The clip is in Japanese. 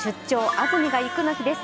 安住がいく」の日です。